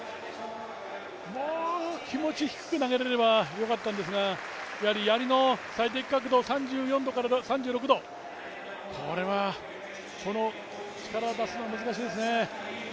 もう気持ち低く投げられればよかったんですが、やはりやりの最適角度の３４から３６度、この力を出すのは難しいですね。